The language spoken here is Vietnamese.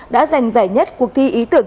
đã dành giải nhất cuộc thi ý tưởng